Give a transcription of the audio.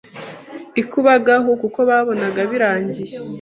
ikubagahu kuko babonaga birangiye